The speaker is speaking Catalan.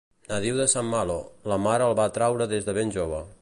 Nadiu de Saint-Malo, la mar el va atraure des de ben jove.